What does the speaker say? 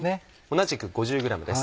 同じく５０ｇです。